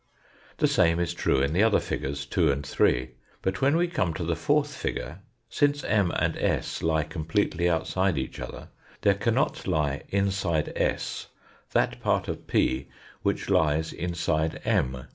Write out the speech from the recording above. The same is true in the other figures 2 and 3. But when we come to the fourth figure, since M and s lie completely outside each other, there cannot lie inside s that part of p which lies inside M.